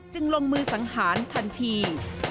ลงมือสังหารทันที